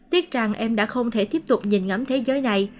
tiếc rằng em đã không thể tiếp tục nhìn ngắm thế giới này